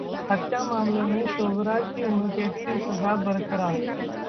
हत्या मामले में शोभराज की उम्रकैद की सजा बरकरार